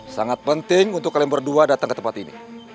sangat penting untuk kalian berdua datang ke tempat ini